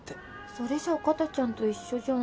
それじゃ片ちゃんと一緒じゃん。